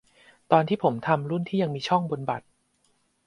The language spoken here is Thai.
ตอนที่ผมทำรุ่นที่ยังมีช่องบนบัตร